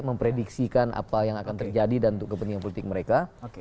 memprediksikan apa yang akan terjadi dan untuk kepentingan politik mereka